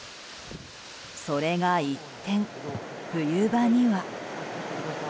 それが一転、冬場には。